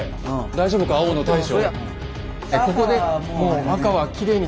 大丈夫か青の大将。